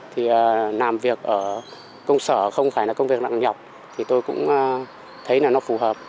thì làm việc ở công sở không phải là công việc nặng nhọc thì tôi cũng thấy là nó phù hợp